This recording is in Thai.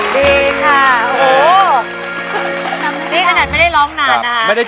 นี้กำลังให้สาร